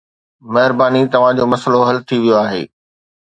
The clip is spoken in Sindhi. مهرباني، توهان جو مسئلو حل ٿي ويو آهي.